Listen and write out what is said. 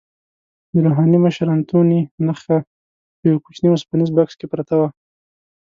د روحاني مشر انتوني نخښه په یوه کوچني اوسپنیز بکس کې پرته وه.